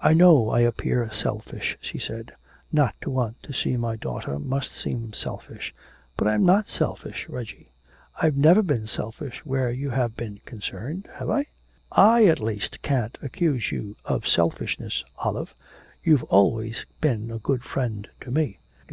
'I know I appear selfish,' she said; 'not to want to see my daughter must seem selfish. But I am not selfish, Reggie. I've never been selfish where you have been concerned, have I?' 'I at least can't accuse you of selfishness, Olive. You've always been a good friend to me.